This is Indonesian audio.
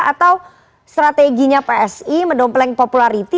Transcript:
atau strateginya psi mendompleng popularity